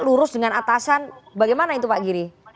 lurus dengan atasan bagaimana itu pak giri